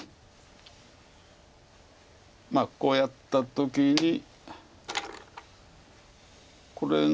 まあこうやった時にこれが。